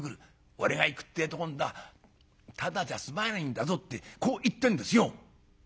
『俺が行くってえと今度はただじゃ済まないんだぞ』ってこう言ってんですよ」。